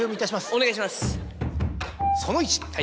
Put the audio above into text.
お願いします。